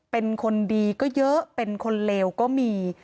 เป็นคนดีก็เยอะเป็นคนเลวก็มี